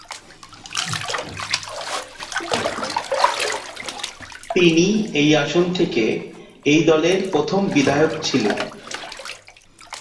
তিনি এই আসন থেকে এই দলের প্রথম বিধায়ক ছিলেন।